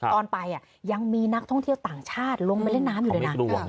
ตอนไปอ่ะยังมีนักท่องเที่ยวต่างชาติลงเล่นน้ำอยู่ในนั้น